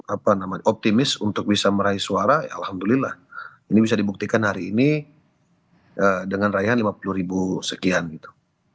apa namanya optimis untuk bisa meraih suara alhamdulillah ini bisa dibuktikan hari ini dengan raihan lima puluh ribu sekian gitu